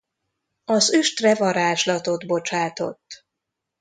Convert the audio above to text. Az üstre varázslatot bocsátott.